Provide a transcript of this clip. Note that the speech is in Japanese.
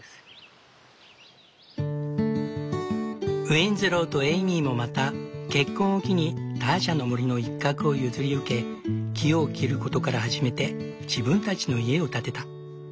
ウィンズローとエイミーもまた結婚を機にターシャの森の一角を譲り受け木を切ることから始めて自分たちの家を建てた。